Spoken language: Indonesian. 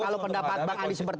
ini kalau pendapat bang andi seperti